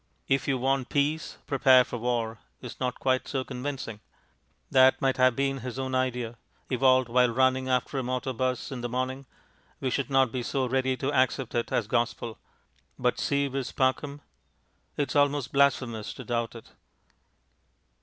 "If you want peace, prepare for war," is not quite so convincing; that might have been his own idea, evolved while running after a motor bus in the morning; we should not be so ready to accept it as Gospel. But Si vis pacem ! It is almost blasphemous to doubt it.